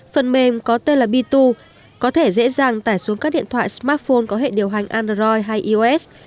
phần mềm có tên là bitu có thể dễ dàng tải xuống các điện thoại smartphone có hệ điều hành android hay ios